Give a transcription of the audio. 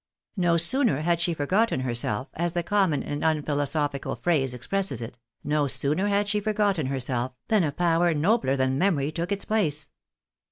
No sooner had she forgotten herself, as the common and unphilosophical phrase expresses it — no sooner had she forgotten herself, than a power nobler than memory took its place.